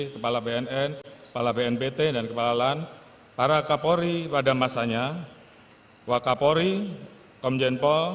kepala bnn kepala bnpt dan kepala lan para kapolri pada masanya wakapolri komjenpol